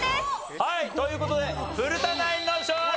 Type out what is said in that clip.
はいという事で古田ナインの勝利！